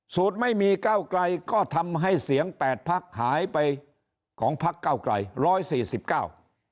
ไม่มีก้าวไกลก็ทำให้เสียงแปดพักหายไปของพักเก้าไกลร้อยสี่สิบเก้า